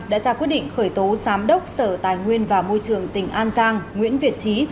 đã ra quyết định khởi tố giám đốc sở tài nguyên và môi trường tỉnh an giang nguyễn việt trí